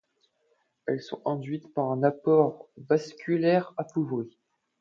Elles sont induites par un apport vasculaire appauvri.